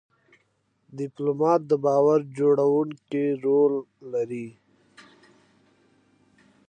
ډيپلومات د باور جوړونې رول لري.